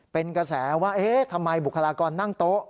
เป็นกระแสว่าเอ๊ะทำไมบุคลากรนั่งโต๊ะ